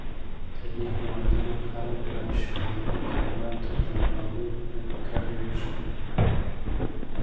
د دې هېوادونو خلک له شمالي کوریا تر زیمبابوې پورې کړېږي.